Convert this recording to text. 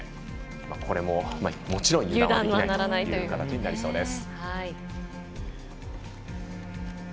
これも、もちろん油断はできないという形になりそうです。